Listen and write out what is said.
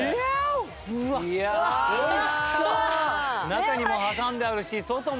中にも挟んであるし外も。